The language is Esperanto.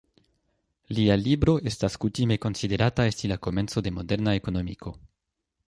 Lia libro estas kutime konsiderata esti la komenco de moderna ekonomiko.